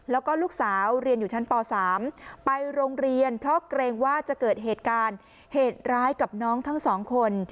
แล้วก็ลูกสาวเรียนอยู่ชั้นป๓ไปโรงเรียนเพราะเกรงว่าจะเกิดเหตุการณ์เหตุร้ายกับน้องทั้งสองคน